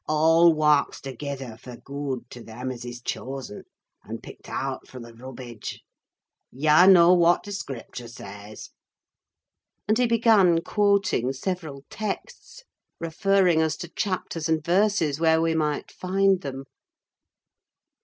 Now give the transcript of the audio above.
All warks togither for gooid to them as is chozzen, and piked out fro' th' rubbidge! Yah knaw whet t' Scripture ses." And he began quoting several texts, referring us to chapters and verses where we might find them.